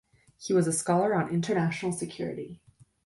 He was a scholar on international security.